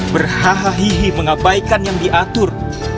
berhaha hihi mengabaikan yang diatur